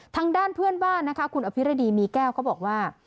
ทางด้านเพื่อนบ้านนะคะคุณอภิรดีมีแก้วก็บอกว่า